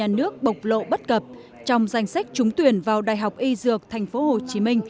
nhà nước bộc lộ bất cập trong danh sách trúng tuyển vào đại học y dược tp hcm